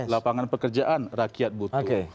lapangan pekerjaan rakyat butuh